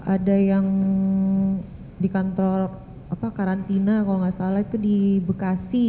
ada yang di kantor karantina kalau enggak salah itu di bekasi